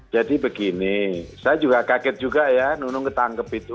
jadi begini saya juga kaget juga ya nunung ditangkap itu